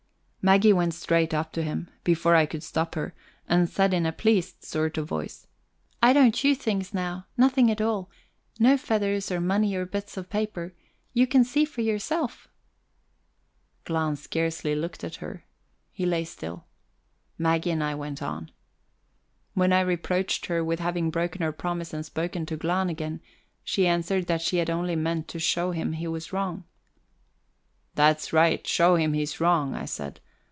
Maggie went straight up to him, before I could stop her, and said in a pleased sort of voice: "I don't chew things now nothing at all. No feathers or money or bits of paper you can see for yourself." Glahn scarcely looked at her. He lay still. Maggie and I went on. When I reproached her with having broken her promise and spoken to Glahn again, she answered that she had only meant to show him he was wrong. "That's right show him he's wrong," I said.